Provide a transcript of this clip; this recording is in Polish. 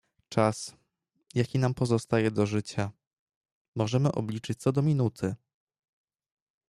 "Czas, jaki nam pozostaje do życia, możemy obliczyć co do minuty."